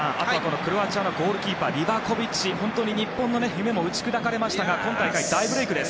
クロアチアのゴールキーパーリバコビッチ、日本の夢も打ち砕かれましたが今大会、大ブレークです。